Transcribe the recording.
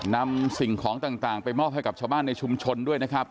นำสิ่งของต่างไปมอบให้กับชาวบ้านในชุมชนด้วยนะครับ